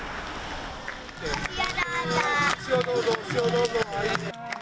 どうぞ。